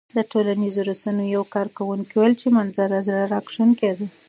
ټولنیزو رسنیو یو کاروونکي وویل چې منظره زړه راښکونکې ده.